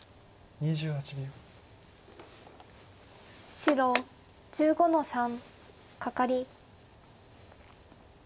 白１５の三カカリ。